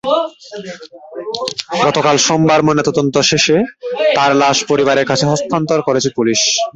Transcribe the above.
গতকাল সোমবার ময়নাতদন্ত শেষে তাঁর লাশ পরিবারের কাছে হস্তান্তর করেছে পুলিশ।